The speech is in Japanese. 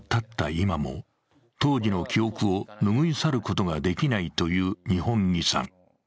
今も当時の記憶を拭い去ることができないという二本樹さん。